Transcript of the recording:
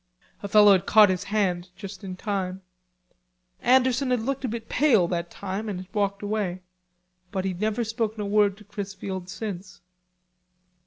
A fellow had caught his hand just in time. Anderson had looked a bit pale that time and had walked away. But he'd never spoken a word to Chrisfield since.